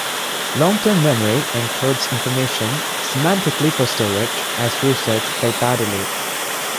Long-term memory encodes information semantically for storage, as researched by Baddeley.